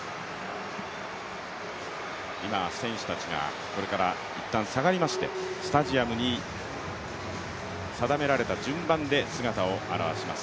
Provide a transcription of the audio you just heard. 今、選手たちがこれから一旦下がりまして、スタジアムに定められた順番で姿を現します